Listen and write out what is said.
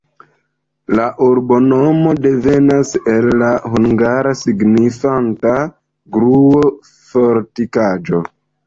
La urbonomo devenas el la hungara signifanta: gruo-fortikaĵo.